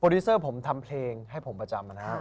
ดิเซอร์ผมทำเพลงให้ผมประจำนะครับ